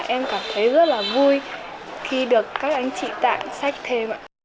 em cảm thấy rất là vui khi được các anh chị tặng sách thêm ạ